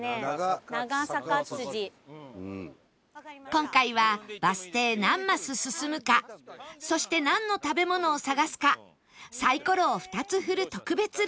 今回はバス停何マス進むかそしてなんの食べ物を探すかサイコロを２つ振る特別ルール